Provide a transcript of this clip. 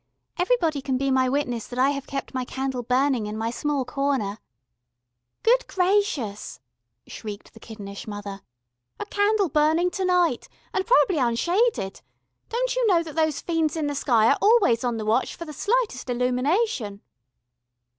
"Everybody can be my witness that I have kept my candle burning in my small corner " "Good gracious," shrieked the kittenish mother. "A candle burning to night. And probably unshaded. Don't you know that those fiends in the sky are always on the watch for the slightest illumination?"